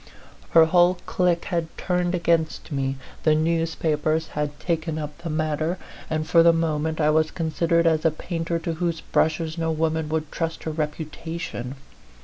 Her whole clique had turned against me, the newspapers had taken up the matter, and for the moment I was considered as a painter to whose brushes no woman would trust her reputation.